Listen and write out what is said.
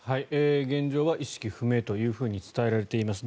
現状は意識不明と伝えられています。